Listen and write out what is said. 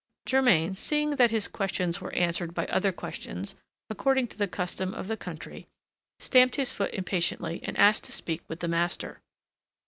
Germain, seeing that his questions were answered by other questions, according to the custom of the country, stamped his foot impatiently, and asked to speak with the master.